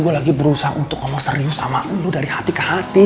gue lagi berusaha untuk kamu serius sama ulu dari hati ke hati